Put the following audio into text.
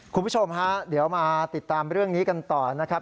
คุณผู้ชมฮะเดี๋ยวมาติดตามเรื่องนี้กันต่อนะครับ